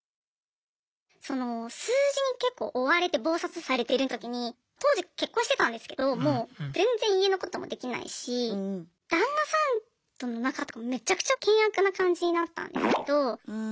その数字に結構追われて忙殺されてる時に当時結婚してたんですけどもう全然家のこともできないし旦那さんとの仲とかめちゃくちゃ険悪な感じになったんですけど。